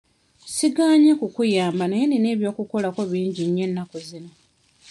Sigaanye kukuyamba naye nnina eby'okukolako bingi nnyo ennaku zino.